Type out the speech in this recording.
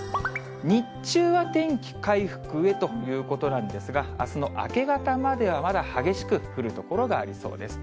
日中は天気回復へということなんですが、あすの明け方までは、まだ激しく降る所がありそうです。